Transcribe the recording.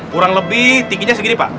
kurang lebih tingginya segini pak